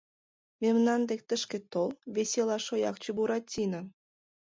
Мемнан дек тышке тол, весела шоякче Буратино!